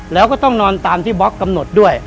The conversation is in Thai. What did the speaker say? แล้วก็ต้องนอนตามที่บล็อกกำหนดด้วย